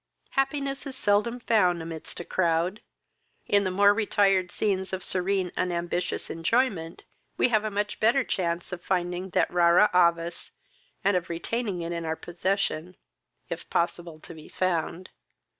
Happiness is seldom found amidst a crowd. In the more retired scenes of serene unambitious enjoyment, we have a much better change of finding that rara avis, and of retaining it in our possession, if possible to be found.